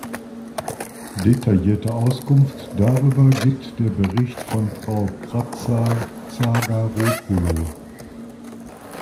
Detaillierte Auskunft darüber gibt der Bericht von Frau Kratsa-Tsagaropoulou.